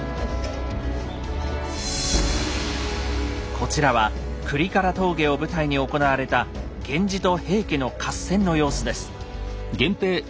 こちらは倶利伽羅峠を舞台に行われた源氏と平家の合戦の様子です。